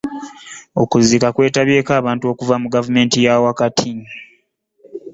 Okuziika kwetabyeko abantu okuva mu gavumeenti eya wakati.